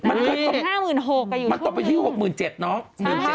มันคือตก๕๖๐๐๐บาทก็อยู่ทุกที่มันตกไปที่๖๗๐๐๐บาทเนอะ